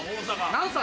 何歳？